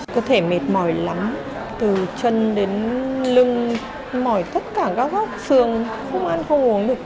cơ thể mệt mỏi lắm từ chân đến lưng mỏi tất cả các góc xương không ăn không uống được